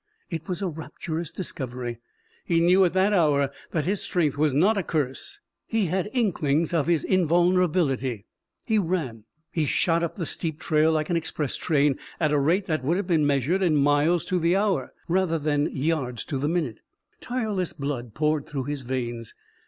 It was a rapturous discovery. He knew at that hour that his strength was not a curse. He had inklings of his invulnerability. He ran. He shot up the steep trail like an express train, at a rate that would have been measured in miles to the hour rather than yards to the minute. Tireless blood poured through his veins.